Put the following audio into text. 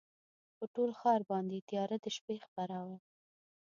پر ټول ښار باندي تیاره د شپې خپره وه